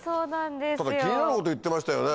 ただ気になること言ってましたよね。